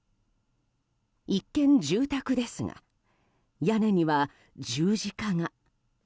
一見、住宅ですが屋根には十字架が。